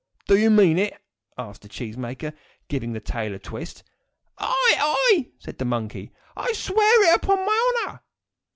"Do you mean it?" asked the cheese maker, giving the tail a twist. "Ai, ai!" said the monkey, "I swear it, upon my honour!"